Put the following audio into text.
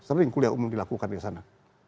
sering kuliah umum dilakukan di sana